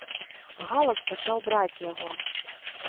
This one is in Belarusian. Галас пачаў браць яго.